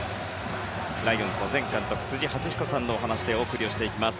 ライオンズの前監督辻発彦さんのお話でお送りしていきます。